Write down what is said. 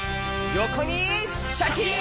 よこにシャキーン！